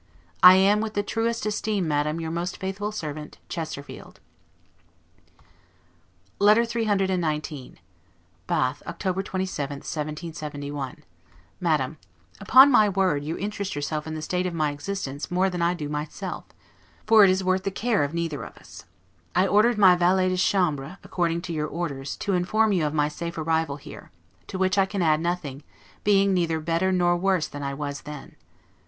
I am, with the truest esteem, Madam, your most faithful servant. CHESTERFIELD. LETTER CCCXIX BATH, October 27,1771. MADAM: Upon my word, you interest yourself in the state of my existence more than I do myself; for it is worth the care of neither of us. I ordered my valet de chambre, according to your orders, to inform you of my safe arrival here; to which I can add nothing, being neither better nor worse than I was then.